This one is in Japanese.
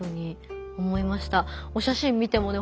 お写真見てもね